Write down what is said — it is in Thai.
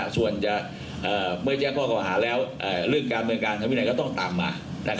ส่วนจะเมื่อแจ้งข้อเก่าหาแล้วเรื่องการเมืองการทำวินัยก็ต้องตามมา